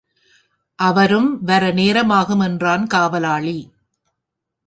அவரும் வர நேரமாகும் என்றான் காவலாளி.